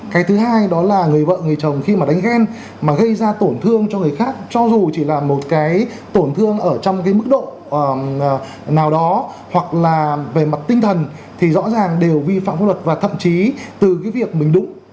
cái thứ hai đó là người vợ người chồng khi mà đánh ghen mà gây ra tổn thương cho người khác cho dù chỉ là một cái tổn thương ở trong cái mức độ nào đó hoặc là về mặt tinh thần thì rõ ràng đều vi phạm pháp luật và thậm chí từ cái việc mình đúng